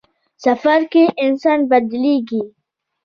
سفر کې انسان بدلېږي.